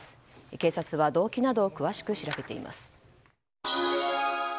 警察は動機などを詳しく調べています。